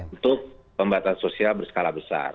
untuk pembatasan sosial berskala besar